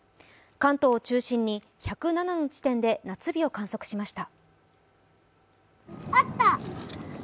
関東を中心に１０７の地点で夏日を観測しました。